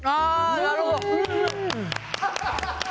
なるほど。